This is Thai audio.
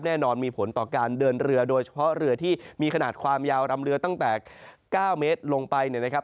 แน่นอนมีผลต่อการเดินเรือโดยเฉพาะเรือที่มีขนาดความยาวลำเรือตั้งแต่๙เมตรลงไปเนี่ยนะครับ